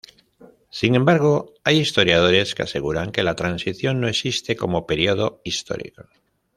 Sin embargo, hay historiadores que aseguran que la Transición no existe como período histórico.